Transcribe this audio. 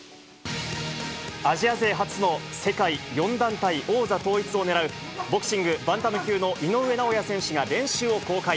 アジア勢初の世界４団体王座統一を狙う、ボクシングバンタム級の井上尚弥選手が練習を公開。